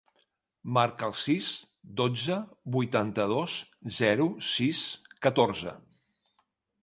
Marca el sis, dotze, vuitanta-dos, zero, sis, catorze.